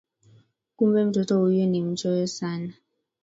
Kumbe mtoto huyu ni mchoyo sana